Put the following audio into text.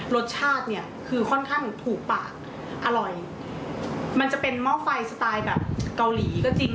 รสชาติเนี่ยคือค่อนข้างถูกปากอร่อยมันจะเป็นหม้อไฟสไตล์แบบเกาหลีก็จริง